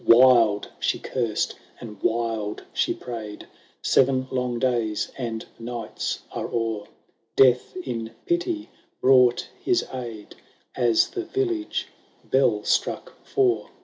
"Wild she cursed and wild she prayed : Seven long days and nights are o'er; Death in pity brought his aid, As the village bell struck four.